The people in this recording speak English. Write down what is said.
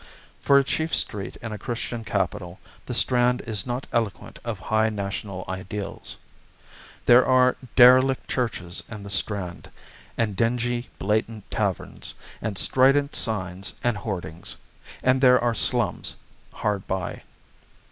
For a chief street in a Christian capital, the Strand is not eloquent of high national ideals. There are derelict churches in the Strand, and dingy blatant taverns, and strident signs and hoardings; and there are slums hard by.